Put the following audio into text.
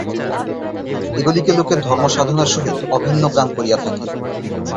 এগুলিকে লোকে ধর্মসাধনের সহিত অভিন্ন জ্ঞান করিয়া থাকে।